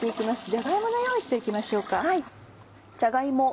じゃが芋の用意して行きましょうか。